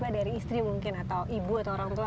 dari istri mungkin atau ibu atau orang tua